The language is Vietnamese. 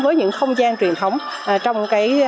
với những không gian truyền thống